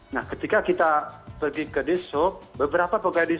nah ketika kita pergi ke dishub beberapa pegawai dishub